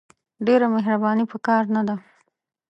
ډېره مهرباني په کار نه ده !